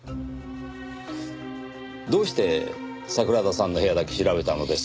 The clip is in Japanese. どうして桜田さんの部屋だけ調べたのですか？